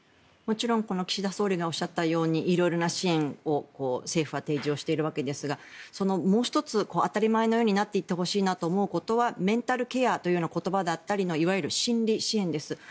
もちろん岸田総理がおっしゃったようにいろいろな支援を政府は提示をしているわけですがそのもう１つ、当たり前のようになっていってほしいなと思うことはメンタルケアという言葉だったりのいわゆる心理支援です。